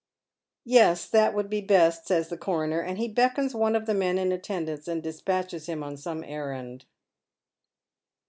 "Yes, that would be best," says the coroner, and he beckons one rtf the men in attendance and despatches him on some errand.